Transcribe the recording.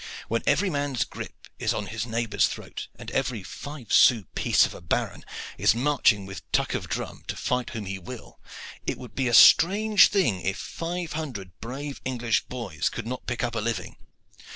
When every man's grip is on his neighbor's throat, and every five sous piece of a baron is marching with tuck of drum to fight whom he will, it would be a strange thing if five hundred brave English boys could not pick up a living.